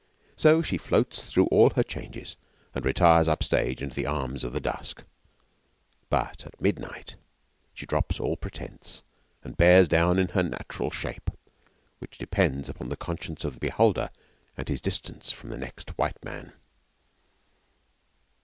So She floats through all Her changes and retires upstage into the arms of the dusk. But at midnight She drops all pretence and bears down in Her natural shape, which depends upon the conscience of the beholder and his distance from the next white man.